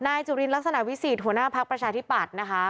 นายจุฬิลลักษณะวิสิทธิ์หัวหน้าภักร์ประชาธิบัตรนะคะ